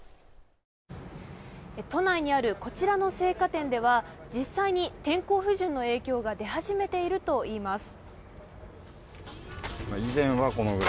都内にあるこちらの青果店では実際に天候不順の影響が出始めているといいます。